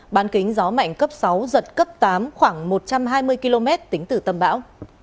bán kính gió mạnh cấp sáu giật cấp tám khoảng một trăm hai mươi km tính từ tâm bão